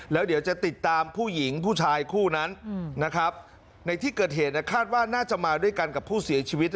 แล้วเดี๋ยวจะติดตามผู้หญิงผู้ชายคู่นั้นนะครับในที่เกิดเหตุคาดว่าน่าจะมาด้วยกันกับผู้เสียชีวิต